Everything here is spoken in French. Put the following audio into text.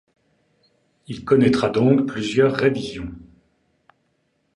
Il connaitra donc plusieurs révisions.